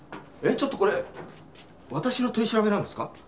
ちょっとこれ私の取り調べなんですか？